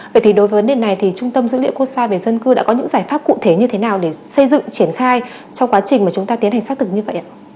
vậy thì đối với vấn đề này thì trung tâm dữ liệu quốc gia về dân cư đã có những giải pháp cụ thể như thế nào để xây dựng triển khai trong quá trình mà chúng ta tiến hành xác thực như vậy ạ